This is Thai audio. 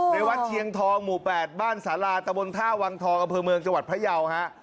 ในวัดเชียงทองหมู่๘บ้านสาราตะบนท่าวังทองอำเภอเมืองจังหวัดพระเยาฮะ